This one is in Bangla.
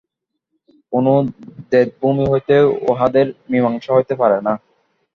কোন দ্বৈতভূমি হইতে উহাদের মীমাংসা হইতে পারে না।